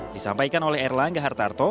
disampaikan oleh erlangga hartarto